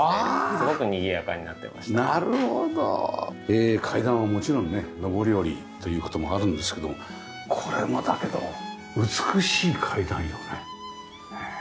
で階段はもちろんね上り下りという事もあるんですけれどもこれもだけど美しい階段よね。